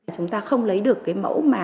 chúng ta không lấy được cái mẫu mà